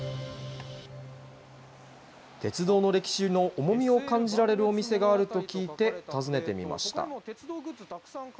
鉄道の歴史の重みを感じられるお店があると聞いて、訪ねてみました。